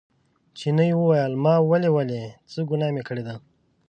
چیني وویل ما ولې ولئ څه ګناه مې کړې ده.